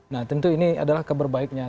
nah tentu ini adalah kabar baiknya